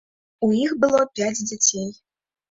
У іх было пяць дзяцей.